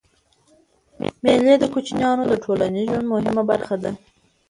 مېلې د کوچنيانو د ټولنیز ژوند مهمه برخه ده.